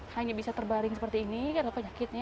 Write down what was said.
hai hanya bisa terbaring seperti ini ke depan sakitnya